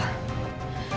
hati aku belum tenang pa